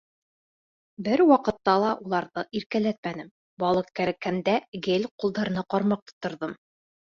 — Бер ваҡытта ла уларҙы иркәләтмәнем, балыҡ кәрәккәндә гел ҡулдарына ҡармаҡ тотторҙом.